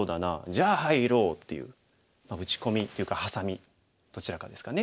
じゃあ入ろう」っていう打ち込みっていうかハサミどちらかですかね。